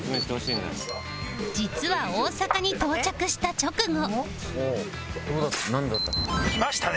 実は大阪に到着した直後来ましたね。